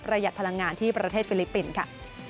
หัดพลังงานที่ประเทศฟิลิปปินส์ค่ะ